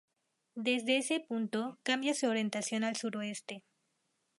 Desde ese punto, cambia su orientación al suroeste.